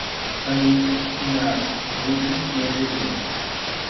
Anita, Inácio, Rute e Angelina